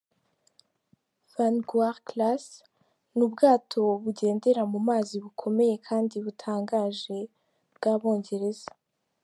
Vanguard Class: Ni ubwato bugendera mu mazi bukomeye kandi butangaje bw’Abongereza.